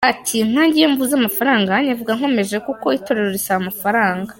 Ati “Nkanjye iyo mvuze amafaranga nyavuga nkomeje kuko Itorero risaba amafaranga.